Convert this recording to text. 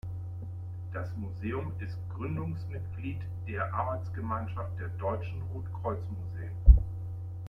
Das Museum ist Gründungsmitglied der Arbeitsgemeinschaft der deutschen Rotkreuz-Museen.